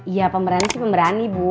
ya pemberani sih pemberani bu